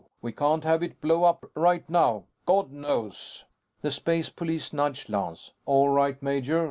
We can't have it blow up right now, God knows." The space police nudged Lance. "All right, major.